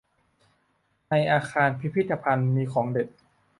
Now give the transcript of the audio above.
ในอาคารพิพิธภัณฑ์มีของเด็ด